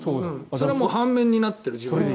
それは反面になってる。